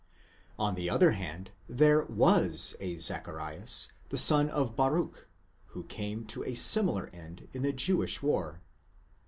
On the other hand, there was a Zacharias, the son of Baruch, who came to a similar end in the Jewish war.